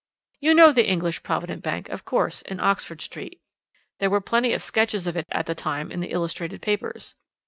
You know the English Provident Bank, of course, in Oxford Street; there were plenty of sketches of it at the time in the illustrated papers.